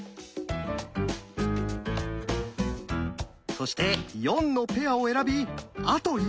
そして「４」のペアを選びあと１枚に。